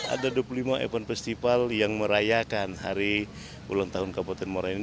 ada dua puluh lima event festival yang merayakan hari ulang tahun kabupaten muara ini